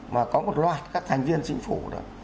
mà có một loạt các thành viên chính phủ đó